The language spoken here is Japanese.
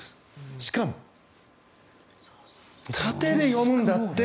しかも、縦で読むんだって。